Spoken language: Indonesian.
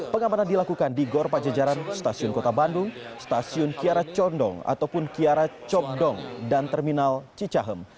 pengamanan dilakukan di gor pajajaran stasiun kota bandung stasiun kiara condong ataupun kiara copdong dan terminal cicahem